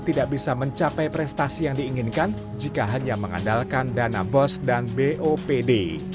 tidak bisa mencapai prestasi yang diinginkan jika hanya mengandalkan dana bos dan bopd